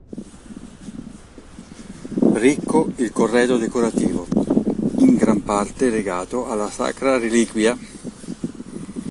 Ricco il corredo decorativo, in gran parte legato alla sacra reliquia.